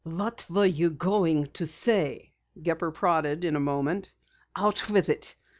"What were you going to say?" Gepper prodded in a moment. "Out with it!